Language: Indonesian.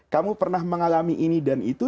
kamu pernah mengalami ini dan itu